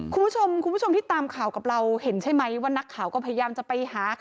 คุณผู้ชมคุณผู้ชมที่ตามข่าวกับเราเห็นใช่ไหมว่านักข่าวก็พยายามจะไปหา